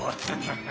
ハハハ。